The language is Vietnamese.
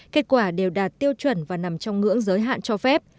kết quả đều đạt tiêu chuẩn và nằm trong ngưỡng giới hạn cho phép